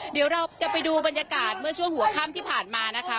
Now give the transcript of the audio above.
เดี๋ยวเราจะไปดูบรรยากาศเมื่อช่วงหัวค่ำที่ผ่านมานะคะ